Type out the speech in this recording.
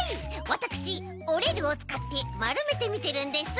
わたくし「おれる」をつかってまるめてみてるんです。